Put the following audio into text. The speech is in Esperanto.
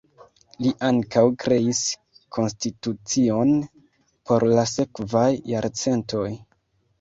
Li ankaŭ kreis konstitucion por la sekvaj jarcentoj.